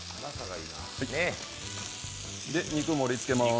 肉、盛りつけまーす。